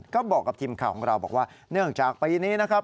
ก็บอกกับทีมข่าวของเราบอกว่าเนื่องจากปีนี้นะครับ